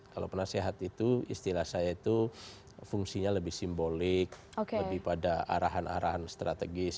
kalau penasehat itu istilah saya itu fungsinya lebih simbolik lebih pada arahan arahan strategis